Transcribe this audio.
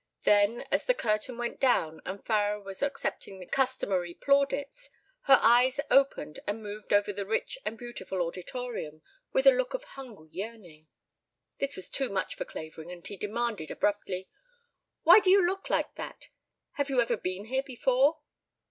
Then, as the curtain went down and Farrar was accepting the customary plaudits, her eyes opened and moved over the rich and beautiful auditorium with a look of hungry yearning. This was too much for Clavering and he demanded abruptly: "Why do you look like that? Have you ever been here before?"